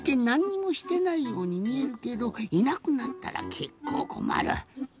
なんにもしてないようにみえるけどいなくなったらけっこうこまる。